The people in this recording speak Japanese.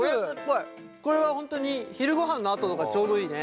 これは本当に昼ごはんのあととかちょうどいいね。